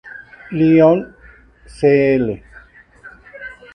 Lyon", Cl.